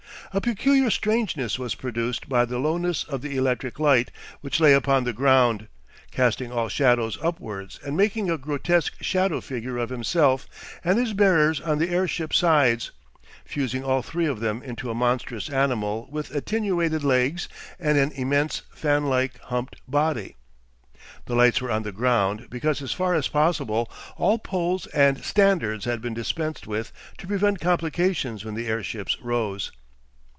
A peculiar strangeness was produced by the lowness of the electric light, which lay upon the ground, casting all shadows upwards and making a grotesque shadow figure of himself and his bearers on the airship sides, fusing all three of them into a monstrous animal with attenuated legs and an immense fan like humped body. The lights were on the ground because as far as possible all poles and standards had been dispensed with to prevent complications when the airships rose.